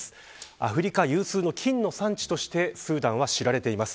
アフリカ有数の金の産地としてスーダンは知られています。